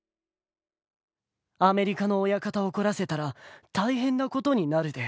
アメリカの親方怒らせたら大変なことになるで。